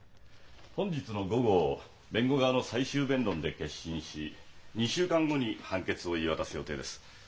本日の午後弁護側の最終弁論で結審し２週間後に判決を言い渡す予定です。